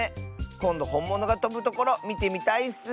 こんどほんものがとぶところみてみたいッス。